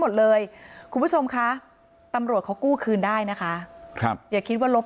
หมดเลยคุณผู้ชมคะตำรวจเขากู้คืนได้นะคะครับอย่าคิดว่าลบ